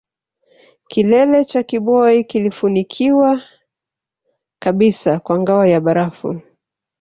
Kilele cha Kibo kilifunikwa kabisa kwa ngao ya barafu